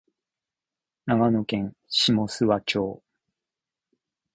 長野県下諏訪町